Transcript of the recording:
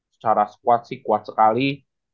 secara squad sih kuat sekali